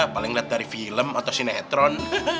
paling lihat dari film atau sinetron